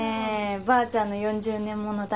ばあちゃんの４０年物だ。